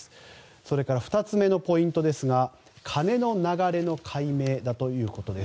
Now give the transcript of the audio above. それから２つ目のポイントですが金の流れの解明だということです。